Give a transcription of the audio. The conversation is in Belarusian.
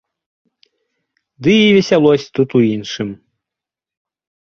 Ды і весялосць тут у іншым.